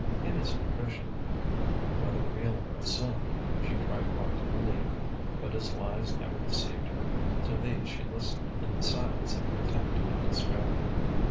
In his contrition, whether real or assumed, she tried hard to believe. But his lies never deceived her: to these she listened in the silence of contempt and despair.